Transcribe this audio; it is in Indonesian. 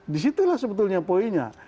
disitulah sebetulnya poinnya